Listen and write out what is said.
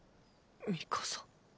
ミカサ？